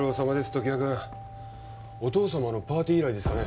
常盤君お父様のパーティー以来ですかね